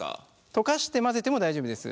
溶かして混ぜても大丈夫です。